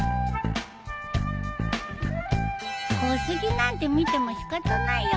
小杉なんて見ても仕方ないよ。